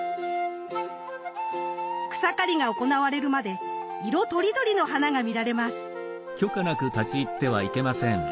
草刈りが行われるまで色とりどりの花が見られます。